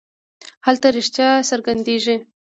هلته رښتیا څرګندېږي.